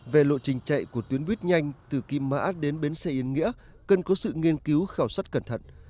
về lộ trình chạy của tuyến buýt nhanh từ kim mã đến bến xe yên nghĩa cần có sự nghiên cứu khảo sát cẩn thận